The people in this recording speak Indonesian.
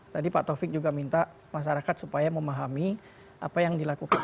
tadi pak taufik juga minta masyarakat supaya memahami apa yang dilakukan